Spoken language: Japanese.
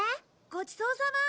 ごちそうさま！